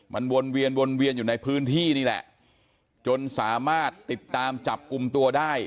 มันวนเวียนวนเวียนอยู่ในพื้นที่นี่แหละจนสามารถติดตามจับกลุ่มตัวได้